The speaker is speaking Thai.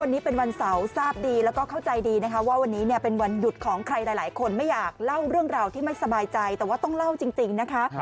วันนี้เป็นวันเสาร์ทราบดีแล้วก็เข้าใจดีนะคะว่าวันนี้เนี่ยเป็นวันหยุดของใครหลายคนไม่อยากเล่าเรื่องราวที่ไม่สบายใจแต่ว่าต้องเล่าจริงนะคะ